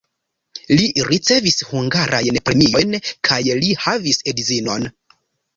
Li ricevis hungarajn premiojn kaj li havis edzinon.